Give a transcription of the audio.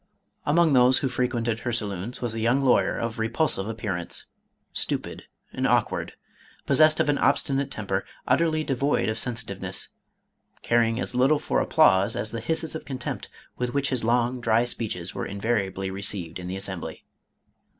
Among those who frequented her saloons, was a young lawyer of repulsive appearance, stupid and awkward, possessed of an obstinate temper, utterly devoid of sensitiveness, caring as little for applause as the hisses of contempt with which his long, dry speeches were invariably received in the Assembly.